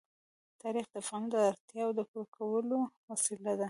تاریخ د افغانانو د اړتیاوو د پوره کولو وسیله ده.